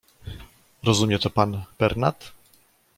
"Rozumie to pan, Pernat?"